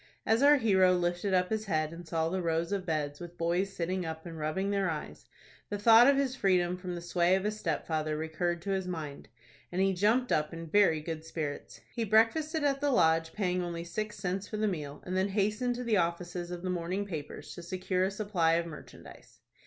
As our hero lifted up his head, and saw the rows of beds, with boys sitting up and rubbing their eyes, the thought of his freedom from the sway of his stepfather recurred to his mind, and he jumped up in very good spirits. He breakfasted at the Lodge, paying only six cents for the meal, and then hastened to the offices of the morning papers to secure a supply of merchandise.